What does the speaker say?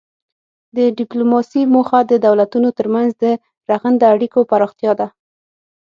د ډیپلوماسي موخه د دولتونو ترمنځ د رغنده اړیکو پراختیا ده